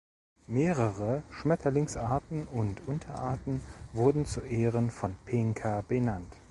Mehrere Schmetterlingsarten und Unterarten wurden zu Ehren von Pinker benannt.